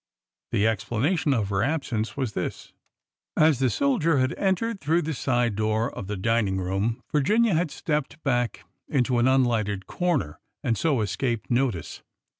The explanation of her absence was this : As the soldier had entered through the side door of the dining room, Virginia had stepped back into an un lighted corner, and so escaped notice.